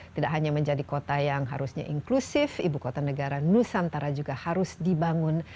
tidak hanya menjadi kota yang harusnya inklusif ibu kota negara nusantara juga harus dibangun